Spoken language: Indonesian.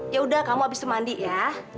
yaudah kamu abis itu mandi ya